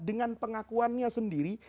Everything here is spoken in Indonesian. dengan pengakuannya sendiri